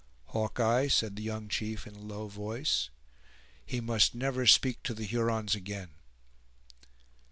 "Hawkeye," said the young chief, in a low voice, "he must never speak to the Hurons again."